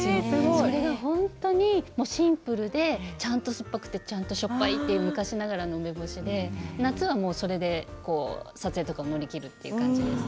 それがシンプルでちゃんと酸っぱくてという昔ながらの梅干しで夏はそれで撮影を乗り切るという感じです。